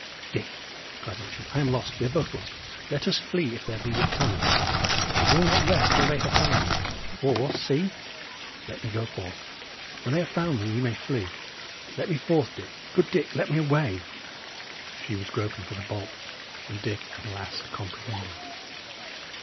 "Dick," cried Matcham, "I am lost; we are both lost. Let us flee if there be yet time. They will not rest till they have found me. Or, see! let me go forth; when they have found me, ye may flee. Let me forth, Dick good Dick, let me away!" She was groping for the bolt, when Dick at last comprehended.